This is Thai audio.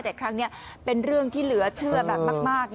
แต่ครั้งนี้เป็นเรื่องที่เหลือเชื่อแบบมาก